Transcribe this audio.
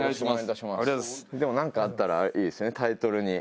でもなんかあったらいいですよねタイトルに。